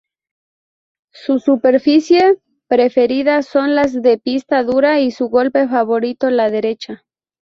Su superficie preferida son las de pista dura y su golpe favorito la derecha.